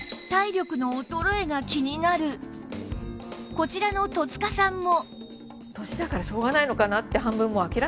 こちらの戸塚さんも